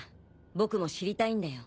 僕も知りたいんだよ